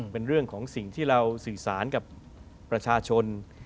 เป็นเรื่องของสิ่งที่เราสื่อสารกับประชาชน